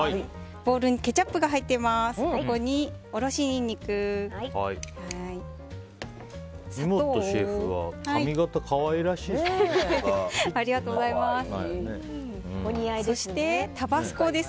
ボウルにケチャップが入っています。